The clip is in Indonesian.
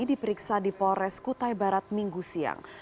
diperiksa di polres kutai barat minggu siang